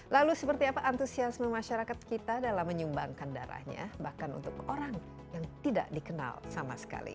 lalu seperti apa antusiasme masyarakat kita dalam menyumbangkan darahnya bahkan untuk orang yang tidak dikenal sama sekali